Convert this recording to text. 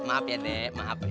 maap ya dek maap